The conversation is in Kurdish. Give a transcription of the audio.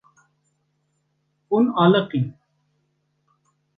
Hûn aliqîn.